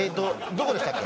どこでしたっけ？